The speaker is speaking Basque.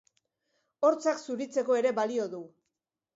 Hortzak zuritzeko ere balio du.